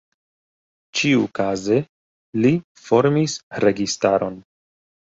Ĉiukaze li formis registaron.